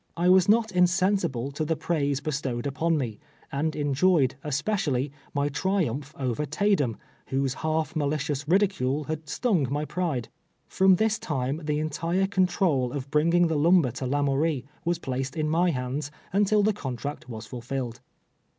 I was not insen sible to the praise bestowed upon me, and enjoyed, especially, my triumph over Taydem, whose half malicious ridicule had stung my j^ride. From this time the entire control of bringing the lumber to Lamourie was placed in my hands until the contract was fulfilled. 100 TWELVE YEAK5 A SLAVE.